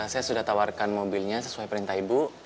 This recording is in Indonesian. saya sudah tawarkan mobilnya sesuai perintah ibu